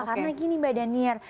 karena gini mbak danir